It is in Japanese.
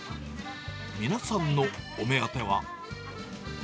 皆さんのお目当ては。